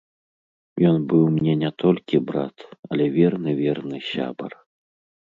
Ён быў мне не толькі брат, але верны-верны сябар.